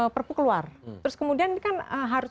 perpuk keluar terus kemudian kan harus